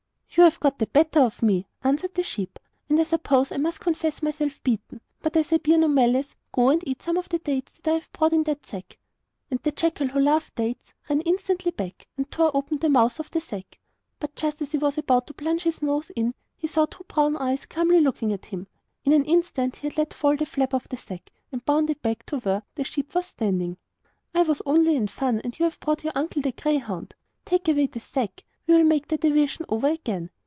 'You have got the better of me,' answered the sheep; 'and I suppose I must confess myself beaten! But as I bear no malice, go and eat some of the dates that I have brought in that sack.' And the jackal, who loved dates, ran instantly back, and tore open the mouth of the sack. But just as he was about to plunge his nose in he saw two brown eyes calmly looking at him. In an instant he had let fall the flap of the sack and bounded back to where the sheep was standing. 'I was only in fun; and you have brought my uncle the greyhound. Take away the sack, we will make the division over again.